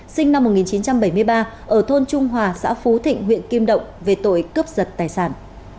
sinh năm một nghìn chín trăm bảy mươi ba ở thôn trung hòa xã phú thịnh huyện kim động về tội cướp giật tài sản